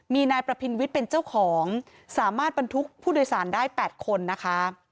มีนายประพินวิทย์เป็นเจ้าของสามารถบรรทุกผู้โดยสารได้๘คนนะคะ